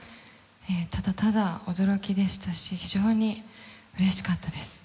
ただただ驚きでしたし、非常にうれしかったです。